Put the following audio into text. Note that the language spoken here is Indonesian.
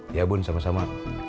iya bun sama sama